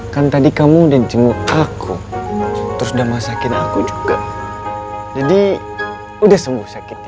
kan tadi kamu udah jenguk aku terus udah masakin aku juga jadi udah sembuh sakit